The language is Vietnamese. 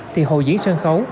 thì hồ diễn sân khấu